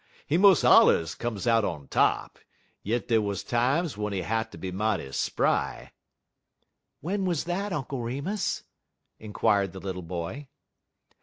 He mos' allers come out on top, yit dey wuz times w'en he hatter be mighty spry." "When was that, Uncle Remus?" inquired the little boy.